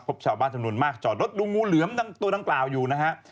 ชาวบ้านจำนวนมากจอดรถดูงูเหลือมตัวดังกล่าวอยู่นะฮะ